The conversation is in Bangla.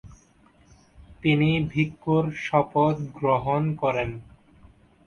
তিনি ভিক্ষুর শপথ গ্রহণ করেন।